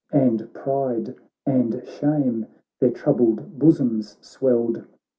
And pride and shame their troubled bosoms swelled.